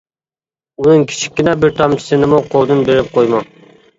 ئۇنىڭ كىچىككىنە بىر تامچىسىنىمۇ قولدىن بېرىپ قويماڭ.